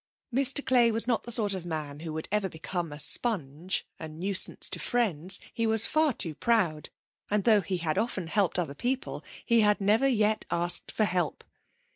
Mr Clay was not the sort of man who would ever become a sponge, a nuisance to friends. He was far too proud, and though he had often helped other people, he had never yet asked for help.